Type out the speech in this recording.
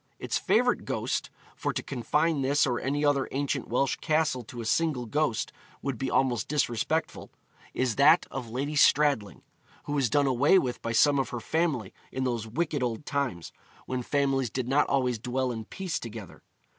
Its favourite ghost for to confine this or any other ancient Welsh castle to a single ghost would be almost disrespectful is that of Lady Stradling, who was done away with by some of her family in those wicked old times when families did not always dwell in peace together.